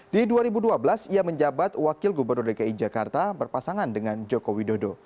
di dua ribu dua belas ia menjabat wakil gubernur dki jakarta berpasangan dengan joko widodo